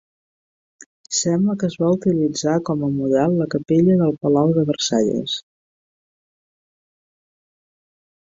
Sembla que es va utilitzar com a model, la capella del palau de Versalles.